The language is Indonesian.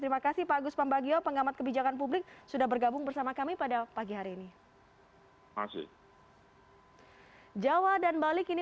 terima kasih pak agus pambagio pengamat kebijakan publik sudah bergabung bersama kami pada pagi hari ini